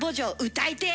歌いてえ！